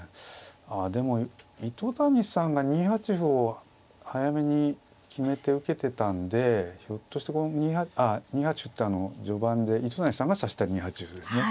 あでも糸谷さんが２八歩を早めに決めて受けてたんでひょっとしてこの２八あ２八歩ってあの序盤で糸谷さんが指した２八歩ですね。